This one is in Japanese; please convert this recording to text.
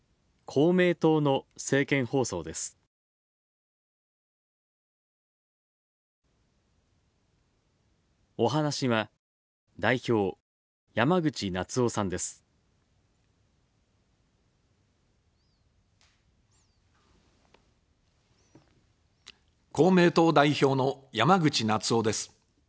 公明党代表の山口那津男です。